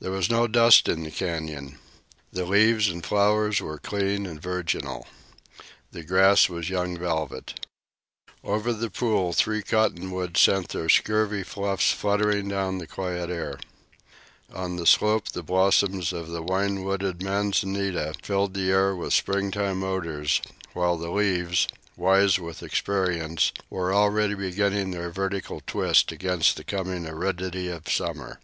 There was no dust in the canyon. The leaves and flowers were clean and virginal. The grass was young velvet. Over the pool three cottonwoods sent their snowy fluffs fluttering down the quiet air. On the slope the blossoms of the wine wooded manzanita filled the air with springtime odors, while the leaves, wise with experience, were already beginning their vertical twist against the coming aridity of summer.